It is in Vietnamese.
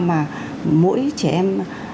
mỗi trẻ em